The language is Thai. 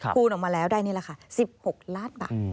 คูณออกมาแล้วได้นี่แหละค่ะ๑๖ล้านบาท